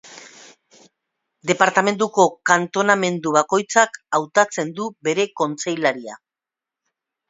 Departamenduko kantonamendu bakoitzak hautatzen du bere kontseilaria.